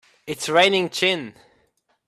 It's raining gin!